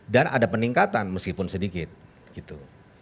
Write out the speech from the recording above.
dan ada peningkatan meskipun sedikit gitu